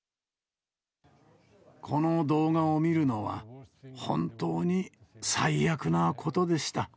この動画を見るのは、本当に最悪なことでした。